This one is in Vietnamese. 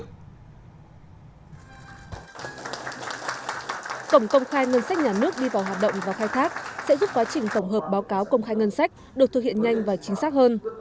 cổng công khai ngân sách nhà nước đi vào hoạt động và khai thác sẽ giúp quá trình tổng hợp báo cáo công khai ngân sách được thực hiện nhanh và chính xác hơn